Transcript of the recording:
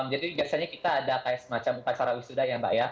jadi biasanya kita ada semacam pasara wisuda ya mbak ya